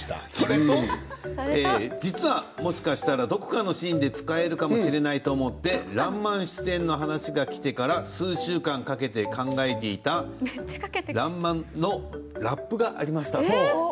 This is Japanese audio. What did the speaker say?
実はもしかしたらどこかのシーンで使えるかもしれないと思って「らんまん」出演の話がきてから数週間かけて考えていた最新の。